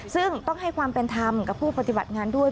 ซึ่งต้องให้ความเป็นธรรมกับผู้ปฏิบัติงานด้วย